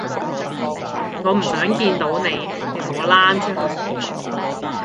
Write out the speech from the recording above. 我唔想見到你，你同我躝出去